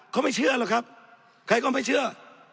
เขาไม่เชื่อหรอกครับใครก็ไม่เชื่อ